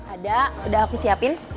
ada udah aku siapin